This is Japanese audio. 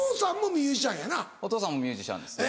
お父さんもミュージシャンやな？